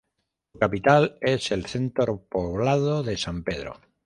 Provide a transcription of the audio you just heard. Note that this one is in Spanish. Su capital es el centro poblado de San Pedro.